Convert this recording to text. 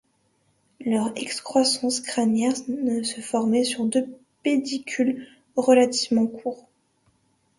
Leurs excroissances crâniennes se formaient sur deux pédicules relativement courts.